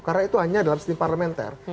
karena itu hanya dalam sistem parlementer